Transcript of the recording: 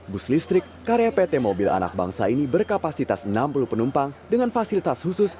bus listrik karya pt mobil anak bangsa ini berkapasitas enam puluh penumpang dengan fasilitas khusus